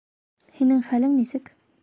Һинең хәлең нисек?